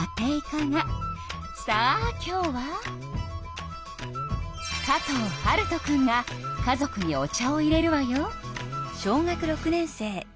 さあ今日は加藤温大くんが家族にお茶をいれるわよ。